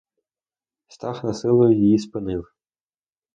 Стах насилу її спинив.